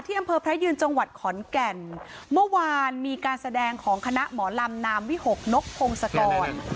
อำเภอพระยืนจังหวัดขอนแก่นเมื่อวานมีการแสดงของคณะหมอลำนามวิหกนกพงศกร